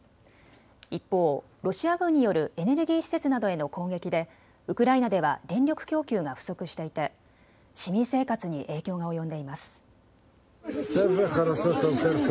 一方、ロシア軍によるエネルギー施設などへの攻撃でウクライナでは電力供給が不足していて市民生活に影響が及んでいます。